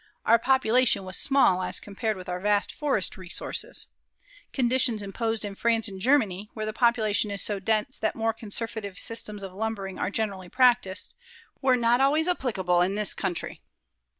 Our population was small as compared with our vast forest resources. Conditions imposed in France and Germany, where the population is so dense that more conservative systems of lumbering are generally practiced, were not always applicable in this country.